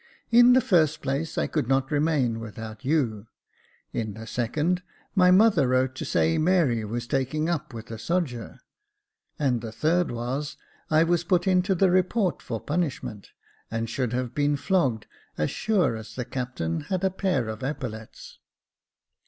In the first place, I could not remain without you ; in the second, my mother wrote to say Mary was taking up with a sodger ; and the third was, I was put into the report for punishment, and should have been flogged, as sure as the Captain had a pair of epaulettes."